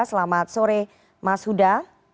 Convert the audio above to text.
selamat sore mas huda